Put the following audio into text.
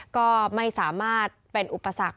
ก็ไม่สามารถเป็นอุปสรรค